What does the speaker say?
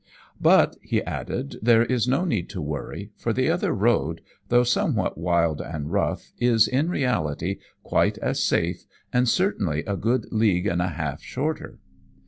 'But,' he added, 'there is no need to worry, for the other road, though somewhat wild and rough, is, in reality, quite as safe, and certainly a good league and a half shorter.'